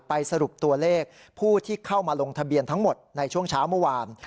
สรุปตัวเลขผู้ที่เข้ามาลงทะเบียนทั้งหมดในช่วงเช้าเมื่อวาน